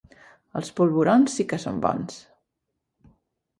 Els polvorons sí que són bons!